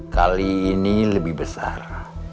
kali ini lebih besar